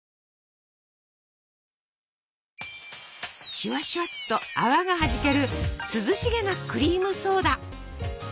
シュワシュワっと泡がはじける涼しげなクリームソーダ！